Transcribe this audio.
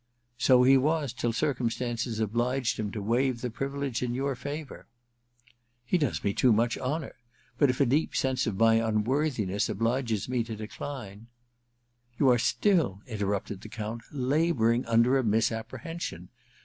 * So he was, till circumstances obliged him to waive the privilege in your favour.' * He does me too much honour ; but if a deep sense of my unworthiness obliges me to dedine * *You are still,' interrupted the Count, * labouring imder a misapprehension.